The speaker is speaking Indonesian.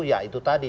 ya itu tadi